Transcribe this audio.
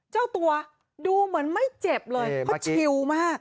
เจ้าตัวดูเหมือนไม่เจ็บเลยเพราะชิวมาก